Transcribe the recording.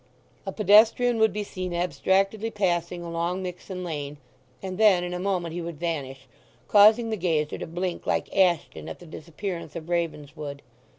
A pedestrian would be seen abstractedly passing along Mixen Lane; and then, in a moment, he would vanish, causing the gazer to blink like Ashton at the disappearance of Ravenswood.